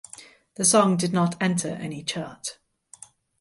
The song did not enter any chart.